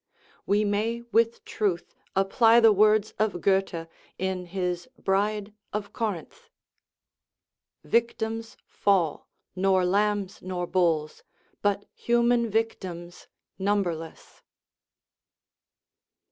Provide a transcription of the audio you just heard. We may with truth apply the words of Goethe in his Bride of Corinth :" Victims fall, nor lambs nor bulls, But human victims numberless."